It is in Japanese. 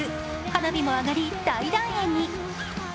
花火も上がり、大団円に。